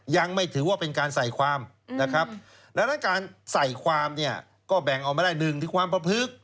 ยังไม่ถือว่าเป็นการใส่ความนะครับดังนั้นการใส่ความเนี่ยก็แบ่งออกมาได้หนึ่งที่ความประพฤกษ